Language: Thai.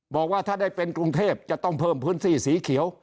บอกว่าถ้าได้เป็นกรุงเทพจะต้องเพิ่มพื้นที่สีเขียว